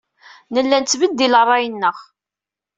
Nella nettbeddil ṛṛay-nneɣ.